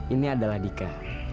ini adalah dika